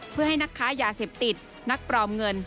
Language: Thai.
เพื่อให้นักค้ายาเสพติดนักปลอมเงิน